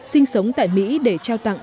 sinh sống tại mỹ để trao tặng